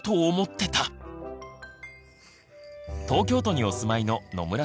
東京都にお住まいの野村さん。